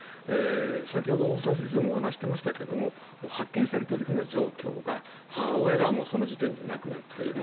先ほど、大澤先生もお話ししていましたが発見された時の状況が母親がもうその時点で亡くなっている。